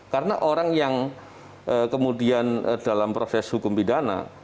karena orang yang kemudian dalam proses hukum pidana